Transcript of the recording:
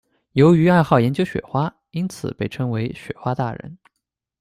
由于爱好研究雪花，因此被称为“雪花大人”。